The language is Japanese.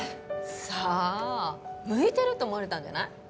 さあ向いてるって思われたんじゃない？